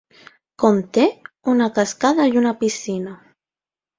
Conté una cascada i una piscina.